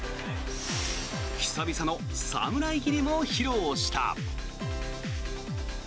久々の侍斬りも披露した。